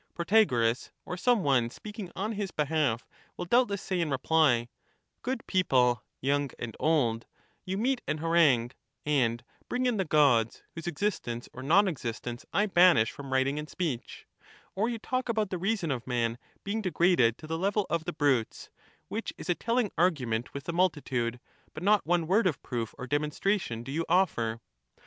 Protagoras, or some one speaking on his behalf, influenced ^jj doubtless Say in reply, — Good people, young and old, clap trap, you meet and harangue, and bring in the gods, whose exist ence or non existence I banish from writing and speech, or you talk about the reason of man being degraded to the level of the brutes, which is a telling argument with the multitude, but not one word of proof or demonstration do you offer.